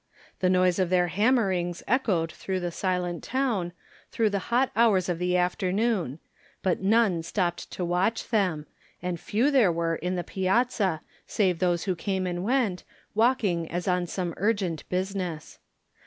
The noise of their hammerings echoed through the silent town through the hot hours of the afternoon, but none stopped to watch them, and few therte were in the piazza save those who came and went, walking as on some urgent business.